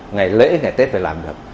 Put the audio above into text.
ngày lễ ngày tết phải làm việc